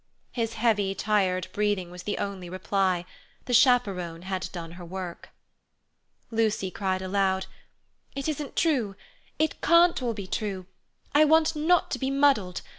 His heavy, tired breathing was the only reply; the chaperon had done her work. Lucy cried aloud: "It isn't true. It can't all be true. I want not to be muddled.